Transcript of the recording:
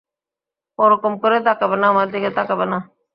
ওরকম করে তাকাবে না আমার দিকে, তাকাবে না।